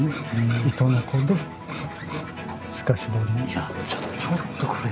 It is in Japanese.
いやちょっとこれ。